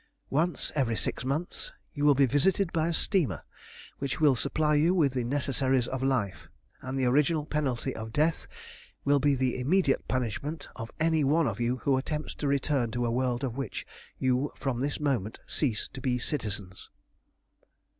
Once every six months you will be visited by a steamer, which will supply you with the necessaries of life, and the original penalty of death will be the immediate punishment of any one of you who attempts to return to a world of which you from this moment cease to be citizens."